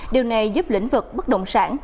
điều này giúp lĩnh vực bất động sản